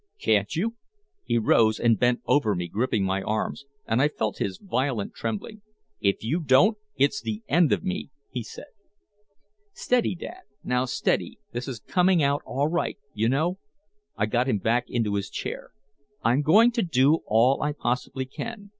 "Can't you?" He rose and bent over me gripping my arms, and I felt his violent trembling. "If you don't, it's the end of me," he said. "Steady, Dad now steady this is coming out all right, you know " I got him back into his chair. "I'm going to do all I possibly can.